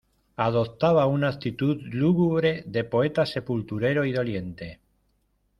adoptaba una actitud lúgubre de poeta sepulturero y doliente.